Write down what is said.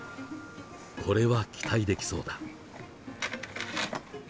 これは期待できそうだ。